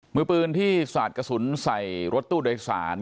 มือปืนที่สาดกระสุนใส่รถตู้โดยสาร